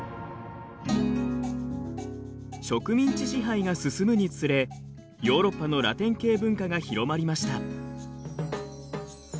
植民地支配が進むにつれヨーロッパのラテン系文化が広まりました。